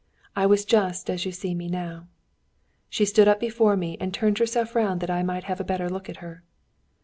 I was just as you see me now." She stood up before me and turned herself round that I might have a better look at her.